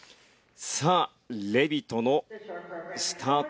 さあレビトのスタート